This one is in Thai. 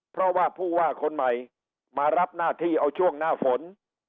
เพราะว่าผู้ว่าคนใหม่มารับหน้าที่เอาช่วงหน้าฝน